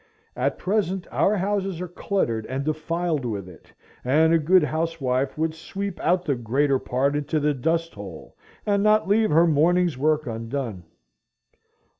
At present our houses are cluttered and defiled with it, and a good housewife would sweep out the greater part into the dust hole, and not leave her morning's work undone.